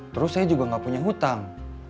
terus saya juga nggak punya hutang